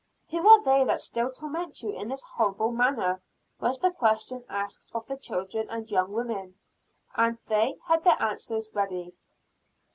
"Who are they that still torment you in this horrible manner?" was the question asked of the children and young women, and they had their answers ready.